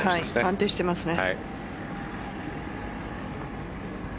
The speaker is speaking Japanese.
安定していますね。